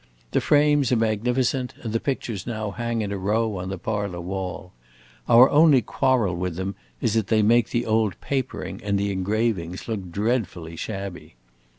The frames are magnificent, and the pictures now hang in a row on the parlor wall. Our only quarrel with them is that they make the old papering and the engravings look dreadfully shabby.